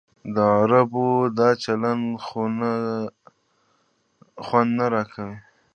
د عربو دا چلند خوند نه راکوي.